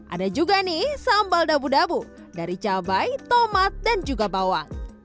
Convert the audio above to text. ada juga nih sambal dabu dabu dari cabai tomat dan juga bawang